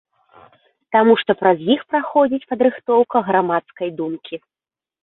Таму што праз іх праходзіць падрыхтоўка грамадскай думкі.